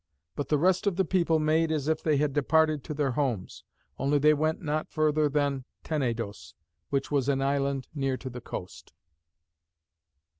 But the rest of the people made as if they had departed to their homes; only they went not further than Tenedos, which was an island near to the coast.